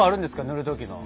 塗る時の。